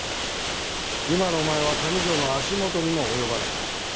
今のお前は上條の足元にも及ばない。